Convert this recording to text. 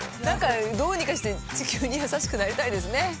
何かどうにかして地球に優しくなりたいですね。